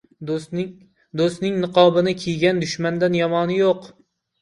• Do‘stning niqobini kiygan dushmandan yomoni yo‘q.